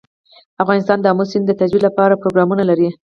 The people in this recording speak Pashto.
افغانستان د آمو سیند د ترویج لپاره پروګرامونه لري.